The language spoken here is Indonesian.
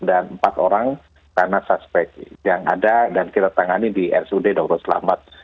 dan empat orang karena suspek yang ada dan kita tangani di rcd doang selamat